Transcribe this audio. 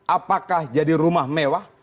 apakah jadi rumah mewah